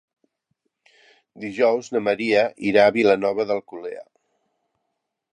Dijous na Maria irà a Vilanova d'Alcolea.